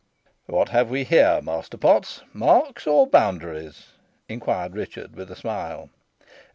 "What have we here, Master Potts marks or boundaries?" inquired Richard, with a smile.